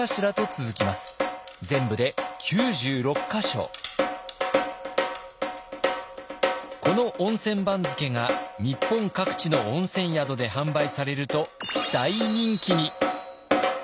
全部でこの温泉番付が日本各地の温泉宿で販売されると大人気に！